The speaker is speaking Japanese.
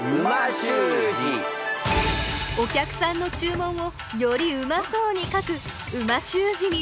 お客さんの注文をよりうまそうに書く美味しゅう字に挑戦！